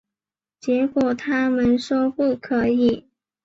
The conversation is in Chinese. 结果他们说不可以